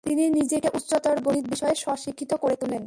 তিনি নিজেকে উচ্চতর গণিত বিষয়ে স্ব-শিক্ষিত করে তুলেন।